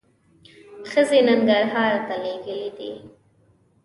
ښځې ننګرهار ته لېږلي دي.